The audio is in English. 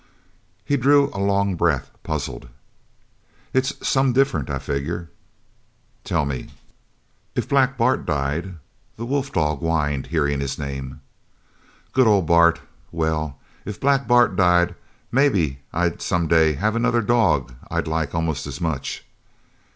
He drew a long breath, puzzled. "It's some different, I figger." "Tell me!" "If Black Bart died " The wolf dog whined, hearing his name. "Good ol' Bart! Well, if Black Bart died maybe I'd some day have another dog I'd like almost as much."